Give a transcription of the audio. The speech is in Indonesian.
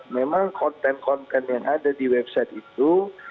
memang konten konten yang ada di website itu